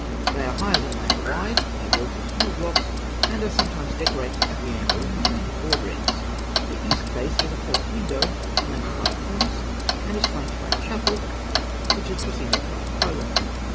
They are higher than they are wide, are built of small blocks, and are sometimes decorated at the angles with rounded borderings. The east face has a false window, surmounted by a cornice, and is flanked by a chapel, which is preceded by a pylon.